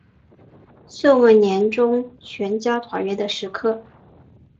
岁末年终全家团圆的时刻